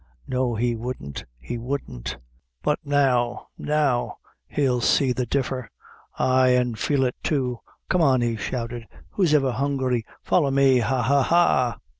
No, he wouldn't he wouldn't but now now he'll see the differ ay, an' feel it too. Come on," he shouted, "who ever's hungry, folly me! ha, ha, ha!"